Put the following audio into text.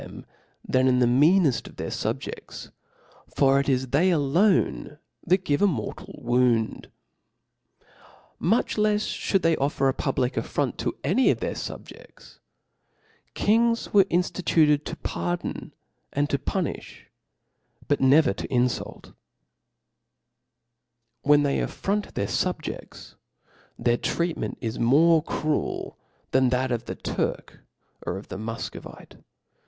^"' them th^ in the meaneft of their fubjefts^ foir it ^ is tKey alone that give a moi tal wound. Much left fhofukl they oflfer a pubHc afFrortt to any of their Jubjefts ; kings were inftituted tp part Bon and to'pi5ni(h, but nevei* to iitfult/ \/Vhen they afFronf their fubjeas, their treatment is more cruel than that of the Turk of the Muf Covite.